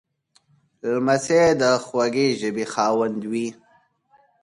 لمسی د خوږې ژبې خاوند وي.